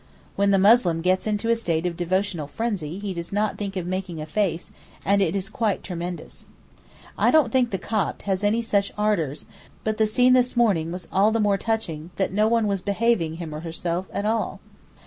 When the Muslim gets into a state of devotional frenzy he does not think of making a face, and it is quite tremendous. I don't think the Copt has any such ardours, but the scene this morning was all the more touching that no one was 'behaving him or herself' at all.